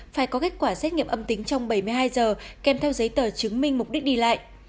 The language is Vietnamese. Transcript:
phải có kết quả xét nghiệm âm tính trong bảy mươi hai giờ kèm theo giấy tờ chứng minh mục đích đi lại